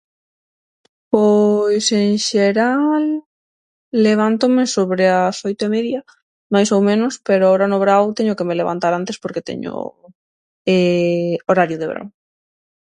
Pois, en xeral, levántome sobre ás oito e media, máis ou menos, pero ahora no vrau téñome que levantar antes porque teño, horario de vrau.